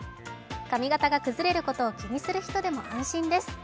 髪形が崩れることを気にする人でも安心です。